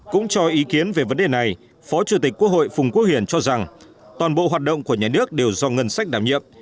cũng cho ý kiến về vấn đề này phó chủ tịch quốc hội phùng quốc hiển cho rằng toàn bộ hoạt động của nhà nước đều do ngân sách đảm nhiệm